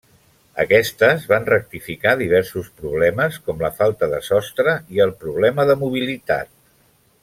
Aquestes van rectificar diversos problemes, com la falta de sostre i el problema de mobilitat.